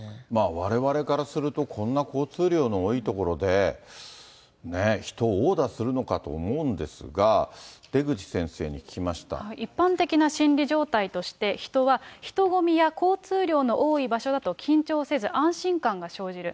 われわれからすると、こんな交通量の多い所で、人を殴打するのかと思うんですが、一般的な心理状態として、人は人混みや交通量の多い場所だと、緊張せず、安心感が生じる。